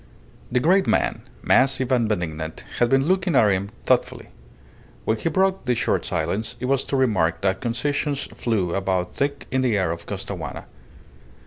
The great man, massive and benignant, had been looking at him thoughtfully; when he broke the short silence it was to remark that concessions flew about thick in the air of Costaguana.